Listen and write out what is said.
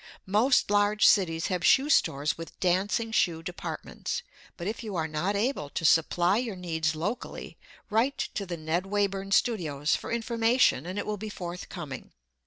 Most large cities have shoe stores with dancing shoe departments, but if you are not able to supply your needs locally, write to the Ned Wayburn Studios for information and it will be forthcoming.